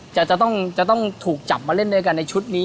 จะต้องถูกจับมาเล่นด้วยกันในชุดนี้